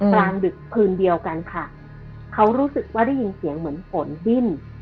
กลางดึกคืนเดียวกันค่ะเขารู้สึกว่าได้ยินเสียงเหมือนฝนดิ้น